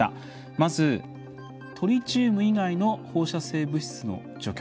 まず、トリチウム以外の放射性物質の除去。